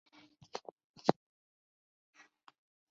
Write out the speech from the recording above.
毕业于二炮指挥学院军队政治工作专业。